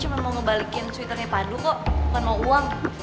saya mau ngebalikin suiternya pandu kok gak mau uang